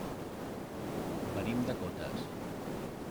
Venim de Cotes.